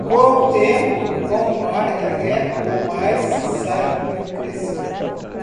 Com o tempo, com o mar e a guerra, o mais sábio cresceu.